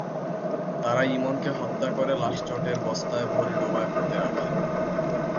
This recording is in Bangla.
তাঁরা ইমনকে হত্যা করে লাশ চটের বস্তায় ভরে ডোবায় পুঁতে রাখেন।